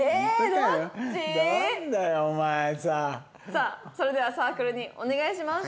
さあそれではサークルにお願いします。